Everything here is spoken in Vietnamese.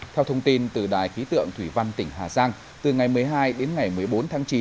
theo thông tin từ đài khí tượng thủy văn tỉnh hà giang từ ngày một mươi hai đến ngày một mươi bốn tháng chín